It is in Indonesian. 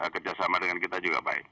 kerja sama dengan kita juga baik